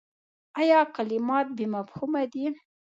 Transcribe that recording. ایا کلمات بې مفهومه دي ؟